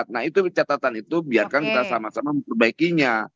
nah itu catatan itu biarkan kita sama sama memperbaikinya